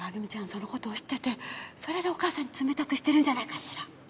その事を知っててそれでお母さんに冷たくしてるんじゃないかしら。